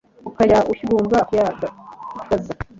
Ukajya ushyugumbwa kuyagaza